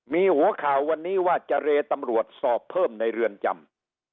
มีหัวข่าววันนี้ว่าจะเรตำรวจสอบเพิ่มในเรือนจำ